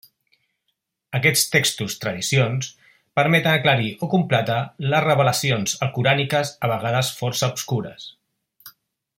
Aquests textos -'tradicions'- permeten aclarir o completar les revelacions alcoràniques a vegades força obscures.